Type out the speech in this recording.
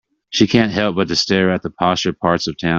She can't help but to stare at the posher parts of town.